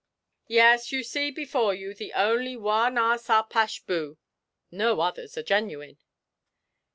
Yes, you see before you the only Wah Na Sa Pash Boo no others are genuine!'